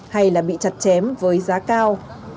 hay là bị chặt chém với giá cao